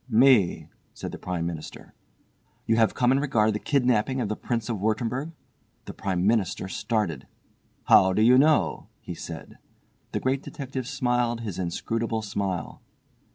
"Me," said the Prime Minister. "You have come in regard the kidnapping of the Prince of Wurttemberg?" The Prime Minister started. "How do you know?" he said. The Great Detective smiled his inscrutable smile.